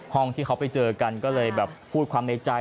ที่เขาไปเจอกันก็เลยแบบพูดความในใจ